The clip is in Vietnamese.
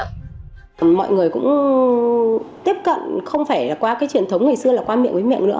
mọi người cũng tiếp cận không phải qua truyền thống ngày xưa là qua miệng với miệng nữa